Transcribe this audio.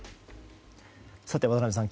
渡辺さん